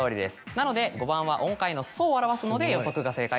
なので５番は音階の「そ」を表すので「よそく」が正解となる。